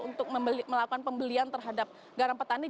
untuk melakukan pembelian terhadap garam petani